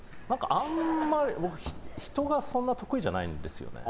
あんまり人がそんなに得意じゃないんですよね。